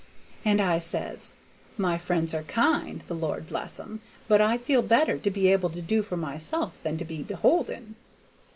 And I says, 'My friends are kind, the Lord bless 'em! but I feel better to be able to do for myself than to be beholden.'"